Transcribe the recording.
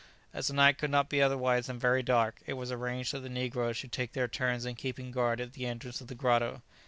As the night could not be otherwise than very dark, it was arranged that the negroes should take their turns in keeping guard at the entrance of the grotto.